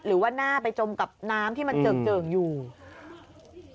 หรือว่าน่าไปจมกับน้ำที่เจอก